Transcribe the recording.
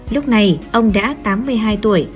lúc này ông đã tám mươi hai tuổi